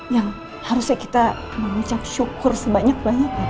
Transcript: yang harusnya kita mengucap syukur sebanyak banyak karena itu